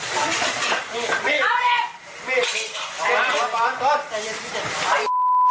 รู้ไหมหอมมากก่อนอย่างนี้